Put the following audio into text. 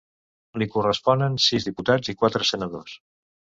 Li corresponen sis diputats i quatre senadors.